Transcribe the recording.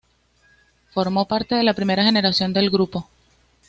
Formó parte de la primera generación del grupo.